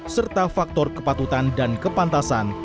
serta faktor kepatutan dan kepantasan